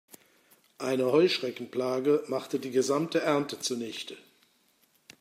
Eine Heuschreckenplage machte die gesamte Ernte zunichte.